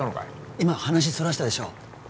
今話そらしたでしょ